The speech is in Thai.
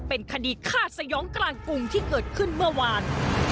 เป็นคดีฆ่าสยองกลางกรุงที่เกิดขึ้นเมื่อวาน